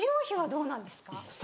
そうなんですね。